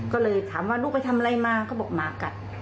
ก็เลยถามว่าลูกไปทำอะไรมาเขาบอกหมากัด